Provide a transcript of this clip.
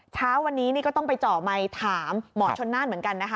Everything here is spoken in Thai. เช้าวันนี้นี่ก็ต้องไปเจาะไมค์ถามหมอชนน่านเหมือนกันนะคะ